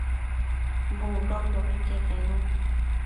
Bundoquiobi que penu